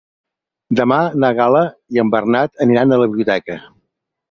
Demà na Gal·la i en Bernat aniran a la biblioteca.